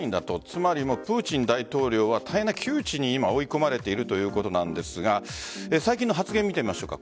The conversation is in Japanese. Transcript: つまり、プーチン大統領は大変な窮地に追い込まれているということなんですが最近の発言を見てみましょう。